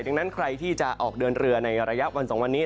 ดังนั้นใครที่จะออกเดินเรือในระยะวัน๒วันนี้